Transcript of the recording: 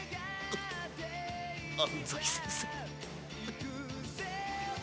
安西先生。